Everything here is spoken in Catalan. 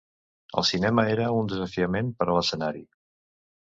El cinema era un desafiament per a l'escenari.